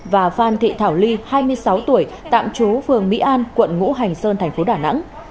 và phan thị thảo ly hai mươi sáu tuổi tạm trú phường mỹ an quận ngũ hành sơn thành phố đà nẵng